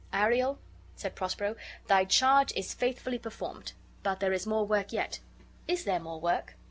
"Ariel," said Prospero, "thy charge is faithfully performed; but there is more work yet." "Is there more work?"